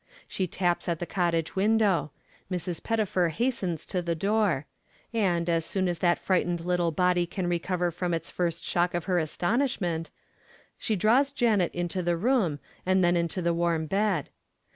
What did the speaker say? She taps at the cottage window; Mrs. Pettifer hastens to the door; and, as soon as that frightened little body can recover from the first shock of her astonishment, she draws Janet into the room and then into the warm bed.